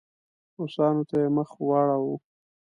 روسانو ته یې مخ واړاوه.